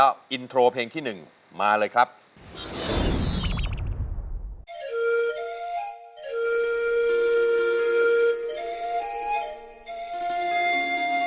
เปลี่ยนเพลงเก่งของคุณและข้ามผิดได้๑คำ